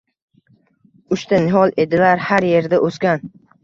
Uchta nihol edilar har yerda o‘sgan